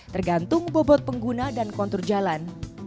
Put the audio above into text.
tergantung bobot pengguna dan kontur jalan